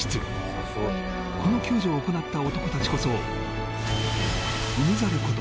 この救助を行った男たちこそ海猿こと